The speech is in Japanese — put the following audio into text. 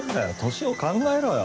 年を考えろよ。